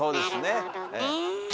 なるほどね。